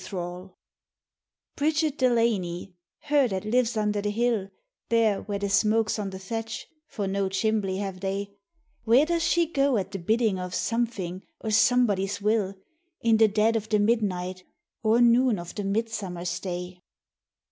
UbraU B RIDGET DELANY, her that lives under the hill ; There, where the smoke's on the thatch, for no chimbley have they, Where does she go at the biddin' of Somethin' or Somebody's will In the dead of the midnight, or noon of the midsummer's day?